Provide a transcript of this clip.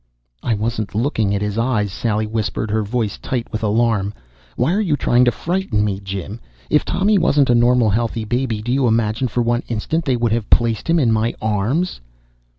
"I wasn't looking at his eyes!" Sally whispered, her voice tight with alarm. "Why are you trying to frighten me, Jim? If Tommy wasn't a normal, healthy baby do you imagine for one instant they would have placed him in my arms?"